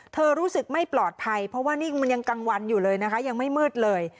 รู้สึกไม่ปลอดภัยเพราะว่านี่มันยังกลางวันอยู่เลยนะคะยังไม่มืดเลย